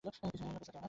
পিছলা খেও না।